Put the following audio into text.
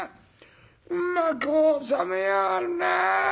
うまく収めやがるなあ。